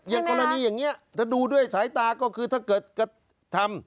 อย่างกรณีอย่างนี้ถ้าดูด้วยสายตาก็คือถ้าเกิดกระทำ